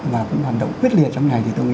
và hoạt động quyết liệt trong này